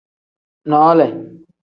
Noole.